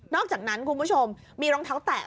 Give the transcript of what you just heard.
อกจากนั้นคุณผู้ชมมีรองเท้าแตะ